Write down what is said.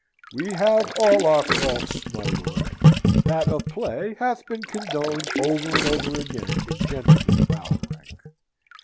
"We have all our faults, my lord. That of play hath been condoned over and over again in gentlemen of our rank.